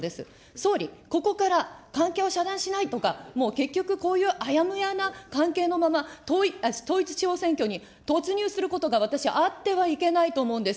総理、ここから関係を遮断しないとか、結局、こういうあやふやな関係のまま、統一地方選挙に突入することが、私、あってはいけないと思うんです。